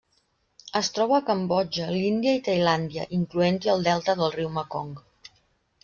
Es troba a Cambodja, l'Índia i Tailàndia, incloent-hi el delta del riu Mekong.